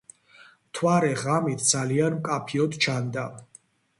მთვარე ღამით ძალიან მკაფიოდ ჩანდა.